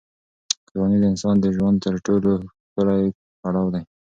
ځواني د انسان د ژوند تر ټولو ښکلی پړاو دی.